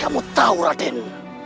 asal kamu tahu raden